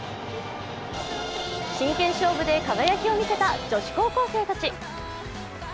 真剣勝負で輝きを見せた女子高校生たち。